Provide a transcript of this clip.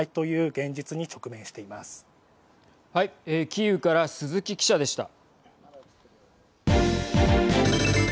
キーウから鈴木記者でした。